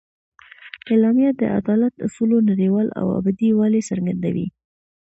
اعلامیه د عدالت اصولو نړیوال او ابدي والي څرګندوي.